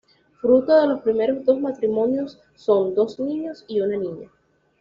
Fruto de los primeros dos matrimonios son dos niños y una niña.